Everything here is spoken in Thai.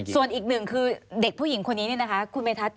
ส่วนอีกหนึ่งคือเด็กผู้หญิงคนนี้คุณเมทัศน์